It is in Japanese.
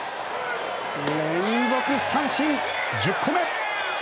連続三振１０個目！